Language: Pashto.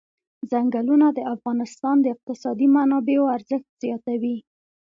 ځنګلونه د افغانستان د اقتصادي منابعو ارزښت زیاتوي.